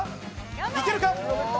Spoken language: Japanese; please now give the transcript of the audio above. いけるか？